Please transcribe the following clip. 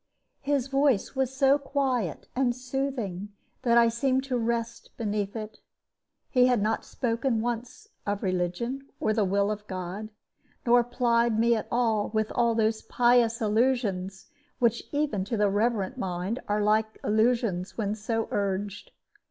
His voice was so quiet and soothing that I seemed to rest beneath it. He had not spoken once of religion or the will of God, nor plied me at all with those pious allusions, which even to the reverent mind are like illusions when so urged.